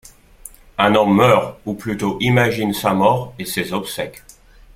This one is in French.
Un homme meurt ou plutôt imagine sa mort et ses obsèques.